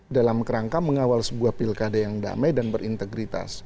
dalam kerangka mengawal sebuah pilkada yang damai dan berintegritas